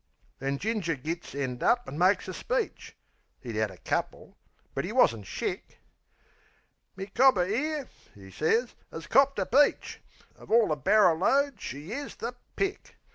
Then Ginger gits end up an' makes a speech ('E'd 'ad a couple, but 'e wasn't shick.) "My cobber 'ere," 'e sez, "'as copped a peach! Of orl the barrer load she is the pick!